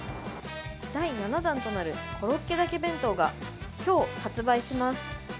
第７弾となるコロッケだけ弁当が今日発売します。